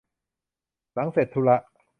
หลังเสร็จธุระ